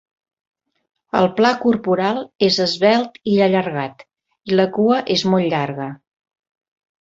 El pla corporal és esvelt i allargat i la cua és molt llarga.